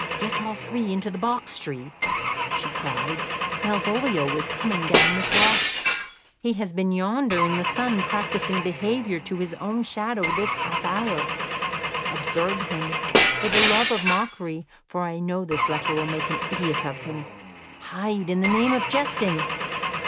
"Get all three into the box tree," she cried; "Malvolio is coming down this walk. He has been yonder in the sun practising behaviour to his own shadow this half hour. Observe him, for the love of mockery, for I know this letter will make an idiot of him. Hide, in the name of jesting!...